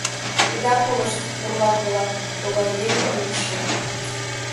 Ида колышт, бурлак-влак, тугай еҥын мутшым.